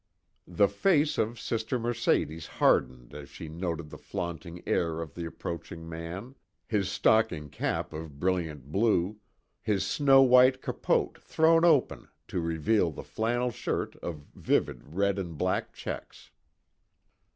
The face of Sister Mercedes hardened as she noted the flaunting air of the approaching man, his stocking cap of brilliant blue, his snow white capote thrown open to reveal the flannel shirt of vivid red and black checks.